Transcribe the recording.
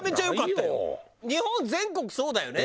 日本全国そうだよね。